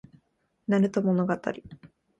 なると物語